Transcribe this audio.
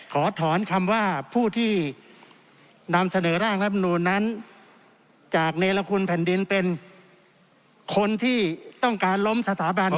ขอถอนคำว่าผู้ที่นำเสนอร่างรัฐมนูลนั้นจากเนรคุณแผ่นดินเป็นคนที่ต้องการล้มสถาบัน